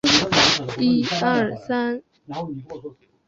你本来就是他的猎物